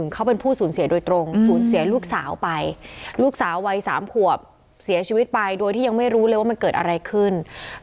เขาเป็นผู้สูญเสียโดยตรงสูญเสียลูกสาวไปลูกสาววัย๓ขวบเสียชีวิตไปโดยที่ยังไม่รู้เลยว่ามันเกิดอะไรขึ้น